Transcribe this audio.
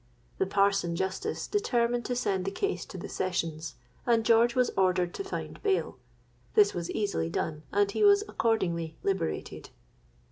The parson justice determined to send the case to the Sessions; and George was ordered to find bail. This was easily done, and he was accordingly liberated.